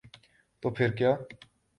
تو پھر کیا؟